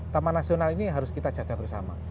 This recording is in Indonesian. taman nasional ini harus kita jaga bersama